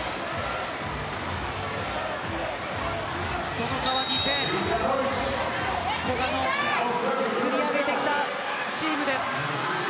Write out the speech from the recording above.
その差は２点古賀の作り上げてきたチームです。